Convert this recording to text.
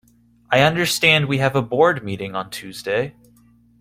I understand we have a board meeting on Tuesday